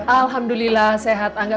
alhamdulillah sehat angga